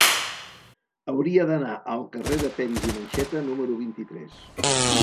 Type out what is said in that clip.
Hauria d'anar al carrer de Peris i Mencheta número vint-i-tres.